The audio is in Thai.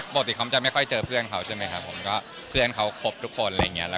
ปกติเขาจะไม่ค่อยเจอเพื่อนเขาเพื่อนเขาครบทุกคน